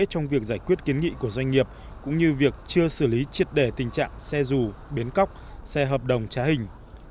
trong việc giải quyết kiến nghị của doanh nghiệp cũng như việc chưa xử lý triệt đề tình trạng xe dù bến cóc xe hợp đồng trá hình